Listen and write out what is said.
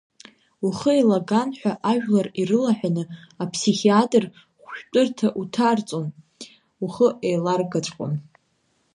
Ухы еилаган ҳәа ажәлар ирылаҳәаны, аԥсихиатр хәшәтәырҭа уҭарҵон, ухы еиларгаҵәҟьон.